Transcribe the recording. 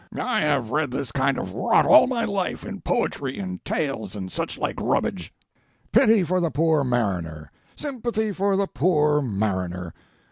I have read this kind of rot all my life in poetry and tales and such like rubbage. Pity for the poor mariner! sympathy for the poor mariner!